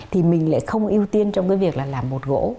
thì mình lại không ưu tiên trong cái việc là làm bột gỗ